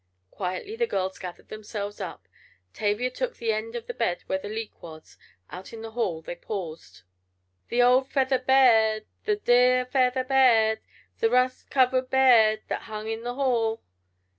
Quietly the girls gathered themselves up. Tavia took the end of the bed where the "leak" was. Out in the hall they paused. "The old feather be—ed! The de—ar feather be—ed! The rust covered be—ed that hung in the hall!"